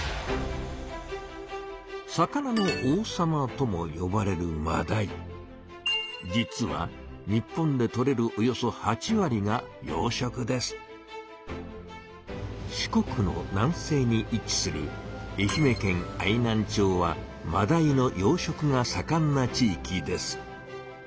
「魚の王様」ともよばれる実は日本でとれるおよそ四国の南西に位置する愛媛県愛南町はマダイの養しょくがさかんな地いきです。